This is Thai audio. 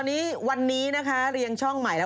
วันนี้วันนี้นะคะเรียงช่องใหม่แล้ว